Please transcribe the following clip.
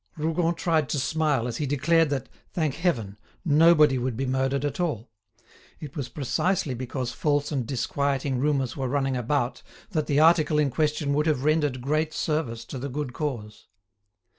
Rougon tried to smile as he declared that, thank heaven, nobody would be murdered at all. It was precisely because false and disquieting rumours were running about that the article in question would have rendered great service to the good cause.